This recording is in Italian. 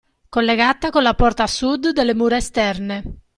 Collegata con la porta Sud delle mura esterne.